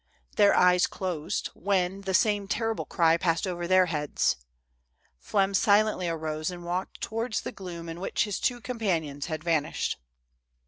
Their eyes closed, when the same terrible cry passed over tlieir heads. Flem silently arose and walked towards the gloom in which his two companions had vanished.